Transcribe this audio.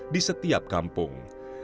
di setiap kampung